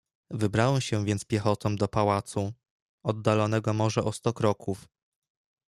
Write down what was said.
"Wybrałem się więc piechotą do pałacu, oddalonego może o sto kroków."